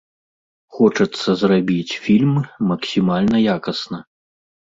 Хочацца зрабіць фільм максімальна якасна.